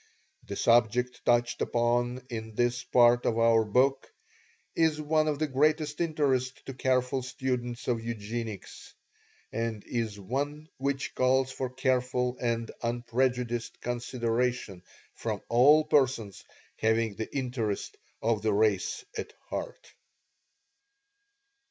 The subject touched upon in this part of our book is one of the greatest interest to careful students of Eugenics; and is one which calls for careful and unprejudiced consideration from all persons having the interest of the race at heart.